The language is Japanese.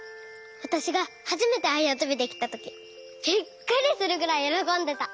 わたしがはじめてあやとびできたときびっくりするぐらいよろこんでた。